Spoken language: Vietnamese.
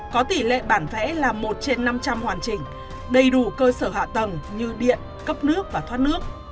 có tỷ lệ bản vẽ là một trên năm trăm linh hoàn chỉnh đầy đủ cơ sở hạ tầng như điện cấp nước và thoát nước